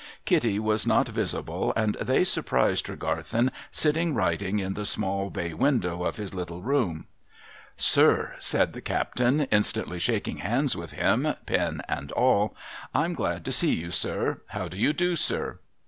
Kitty was not visible, and they surprised Tregarthen sitting writing in the small bay window of his little room. ' Sir,' said the captain, instantly shaking hands with him, pen and all, 'I'm glad to see you, sir. How do you do, sir?